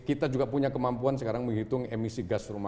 kita juga punya kemampuan sekarang menghitung emisi gas rumah